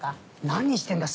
何してんだ？